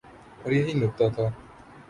اوریہی نکتہ تھا۔